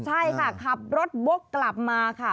ใช่ค่ะขับรถบกกลับมาค่ะ